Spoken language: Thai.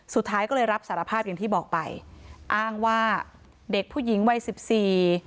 สุดท้ายก็เลยรับสารภาพอย่างที่บอกไปอ้างว่าเด็กผู้หญิงวัยสิบสี่